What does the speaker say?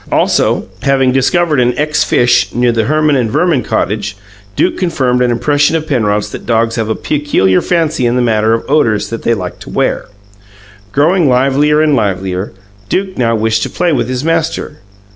Also, having discovered an ex fish near the Herman and Verman cottage, Duke confirmed an impression of Penrod's that dogs have a peculiar fancy in the matter of odours that they like to wear. Growing livelier and livelier, Duke now wished to play with his master.